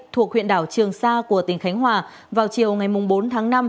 thuộc huyện đảo trường sa của tỉnh khánh hòa vào chiều ngày bốn tháng năm